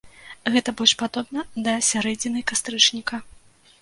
Гэта больш падобна да сярэдзіны кастрычніка.